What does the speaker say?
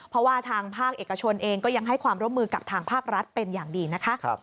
เพราะว่าทางภาคเอกชนเองก็ยังให้ความร่วมมือกับทางภาครัฐเป็นอย่างดีนะคะ